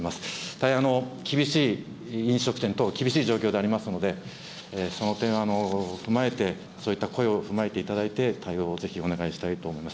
大変厳しい飲食店等、厳しい状況でありますので、その点踏まえて、そういった声を踏まえていただいて、対応をぜひお願いしたいと思います。